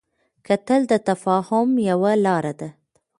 کتل د تفاهم یوه لاره ده